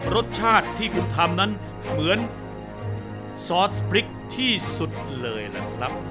รสชาติที่คุณทำนั้นเหมือนซอสพริกที่สุดเลยล่ะครับ